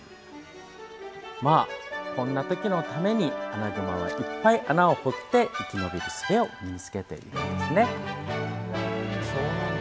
こんなときのためにアナグマは、いっぱい穴を掘って生き延びるすべを身に着けているんですね。